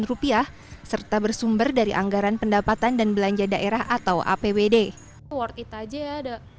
rupiah serta bersumber dari anggaran pendapatan dan belanja daerah atau apbd worth it aja ya